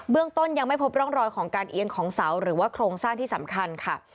ต้นยังไม่พบร่องรอยของการเอียงของเสาหรือว่าโครงสร้างที่สำคัญค่ะ